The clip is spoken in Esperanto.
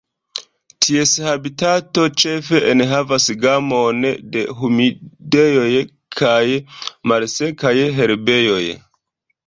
Ties habitato ĉefe enhavas gamon de humidejoj kaj malsekaj herbejoj.